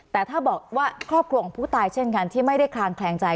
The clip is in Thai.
แต่ถ้าบอกว่าครอบครัวของผู้ตายเช่นกันที่ไม่ได้คลางแคลงใจ